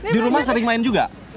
di rumah sering main juga